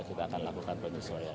kita akan lakukan penyesuaian